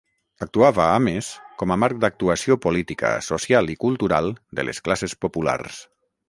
Actuava, a més, com a marc d'actuació política, social i cultural de les classes populars.